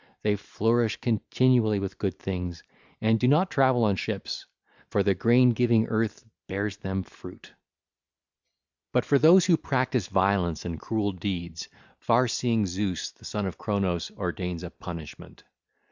They flourish continually with good things, and do not travel on ships, for the grain giving earth bears them fruit. (ll. 238 247) But for those who practise violence and cruel deeds far seeing Zeus, the son of Cronos, ordains a punishment.